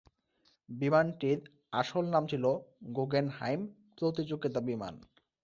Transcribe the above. বিমানটির আসল নাম ছিল গুগেনহাইম প্রতিযোগিতা বিমান।